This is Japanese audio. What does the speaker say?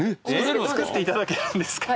作っていただけるんですか。